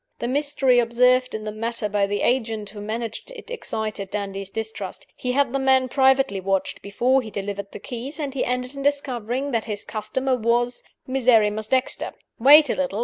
The mystery observed in the matter by the agent who managed it excited Dandie's distrust. He had the man privately watched before he delivered the keys; and he ended in discovering that his customer was Miserrimus Dexter. Wait a little!